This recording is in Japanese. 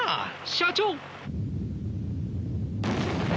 社長！